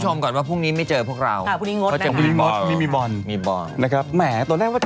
ต้องขายตัวเดี๋ยวไปตามข่าวในไทยรัตได้นะคะ